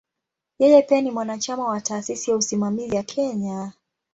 Yeye pia ni mwanachama wa "Taasisi ya Usimamizi ya Kenya".